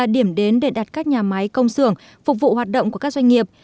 để đặt các nhà máy công xưởng phục vụ hoạt động của các doanh nghiệp